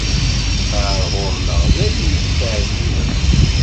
Ar ɣur-neɣ, d ayen yesteɛǧiben.